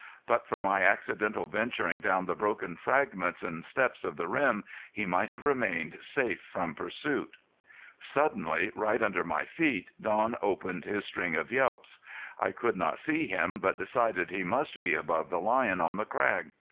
But for my accidental venturing down the broken fragments and steps of the rim he could have remained safe from pursuit. Suddenly, right under my feet, Don opened his string of yelps. I could not see him but decided he must be above the lion on the crag.